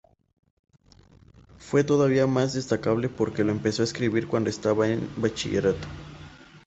Fue todavía más destacable porque lo empezó a escribir cuando estaba en bachillerato.